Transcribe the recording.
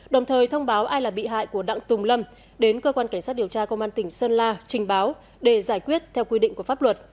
đồng thời thông báo ai là bị hại của đặng tùng lâm đến cơ quan cảnh sát điều tra công an tỉnh sơn la trình báo để giải quyết theo quy định của pháp luật